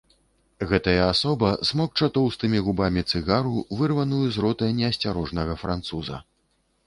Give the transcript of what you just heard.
Гэтая асоба смокча тоўстымі губамі цыгару, вырваную з рота неасцярожнага француза.